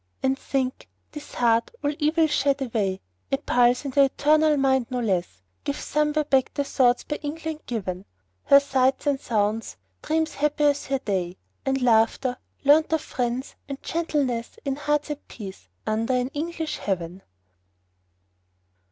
And think, this heart, all evil shed away, A pulse in the eternal mind, no less Gives somewhere back the thoughts by England given; Her sights and sounds; dreams happy as her day; And laughter, learnt of friends; and gentleness, In hearts at peace, under an English heaven.